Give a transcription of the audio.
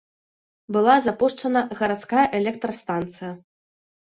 Была запушчана гарадская электрастанцыя.